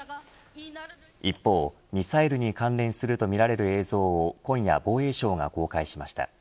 一方、ミサイルに関連するとみられる映像を今夜、防衛省が公開しました。